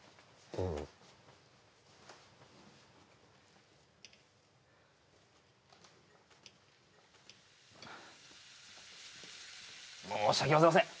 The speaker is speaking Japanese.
うん申し訳ございません